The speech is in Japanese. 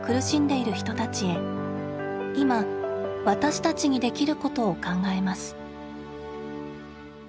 いま私たちにできることを考えます。